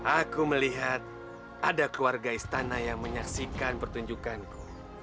aku melihat ada keluarga istana yang menyaksikan pertunjukanku